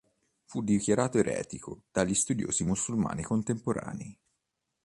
Fu dichiarato eretico dagli studiosi musulmani contemporanei.